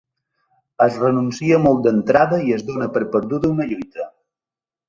Es renuncia molt d’entrada i es dóna per perduda una lluita.